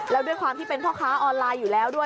แล้วด้วยความที่เป็นพ่อค้าออนไลน์อยู่แล้วด้วย